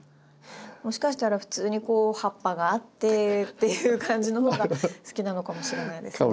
もしかしたら普通に葉っぱがあってっていう感じの方が好きなのかもしれないですね。